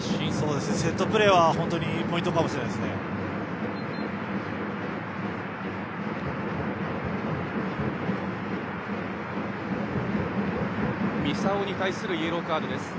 セットプレーはポイントかもしれないですね。